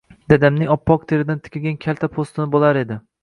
Dadamning oppoq teridan tikilgan kalta po’stini bo’lar edi.